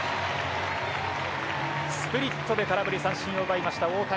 スプリットで空振り三振を奪いました大谷。